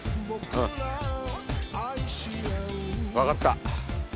うん分かった。